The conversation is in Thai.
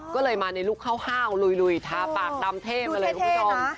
ก็เลยมาในลูกห้าวลุยทาปากดำเทพมาเลยคุณผู้ชม